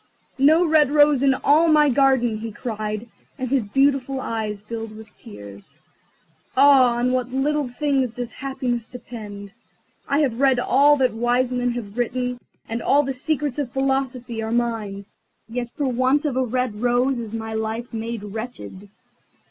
"No red rose in all my garden!" he cried, and his beautiful eyes filled with tears. "Ah, on what little things does happiness depend! I have read all that the wise men have written, and all the secrets of philosophy are mine, yet for want of a red rose is my life made wretched."